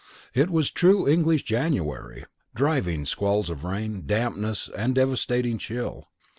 It was the true English January driving squalls of rain, dampness, and devastating chill.